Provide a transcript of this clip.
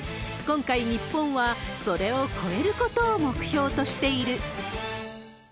今回、日本はそれを超えることを目標としている。